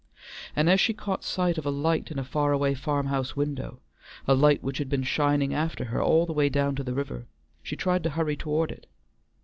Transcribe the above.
And as she caught sight of a light in a far away farmhouse window, a light which had been shining after her all the way down to the river, she tried to hurry toward it.